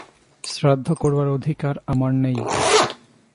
শ্রাদ্ধ করবার অধিকার আমার নেই?